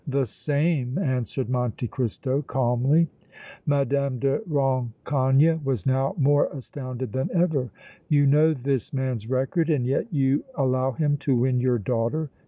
"The same!" answered Monte Cristo, calmly. Mme. de Rancogne was now more astounded than ever. "You know this man's record and yet you allow him to win your daughter!